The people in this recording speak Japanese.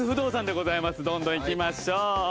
どんどんいきましょう！